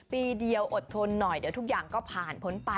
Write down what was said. ปีเดียวอดทนหน่อยเดี๋ยวทุกอย่างก็ผ่านพ้นไป